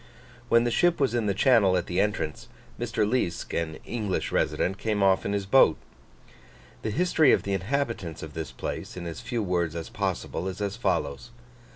When the ship was in the channel at the entrance, Mr. Liesk, an English resident, came off in his boat. The history of the inhabitants of this place, in as few words as possible, is as follows.